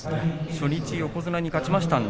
初日に、横綱に勝ちましたね。